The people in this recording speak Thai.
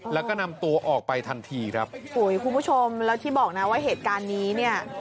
แล้วก็นำตัวออกไปทันทีครับอุ้ยคุณผู้ชมแล้วที่บอกนะว่าเหตุการณ์นี้เนี่ย